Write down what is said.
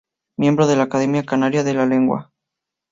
Miembro de la Academia Canaria de la Lengua.